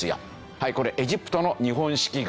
はいこれエジプトの日本式学校。